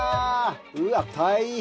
うわっ大変！